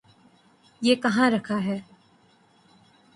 یہ کہاں رکھا ہے؟